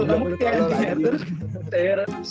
gila mulu kalo lahir terus